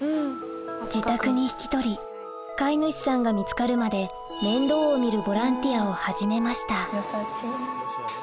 自宅に引き取り飼い主さんが見つかるまで面倒を見るボランティアを始めました